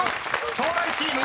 ［東大チーム